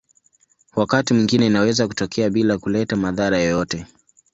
Wakati mwingine inaweza kutokea bila kuleta madhara yoyote.